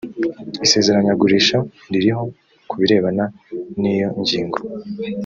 isezeranyagurisha ririho ku birebana n iyo ngingo